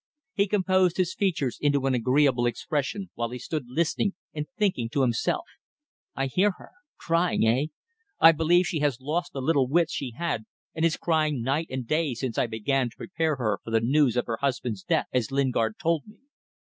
He composed his features into an agreeable expression while he stood listening and thinking to himself: I hear her. Crying. Eh? I believe she has lost the little wits she had and is crying night and day since I began to prepare her for the news of her husband's death as Lingard told me.